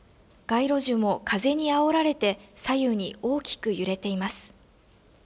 街路樹も風にあおられて、左右に大きく揺れています。